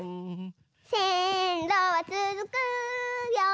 「せんろはつづくよ」